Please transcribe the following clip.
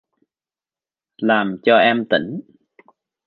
Làm cho em tỉnh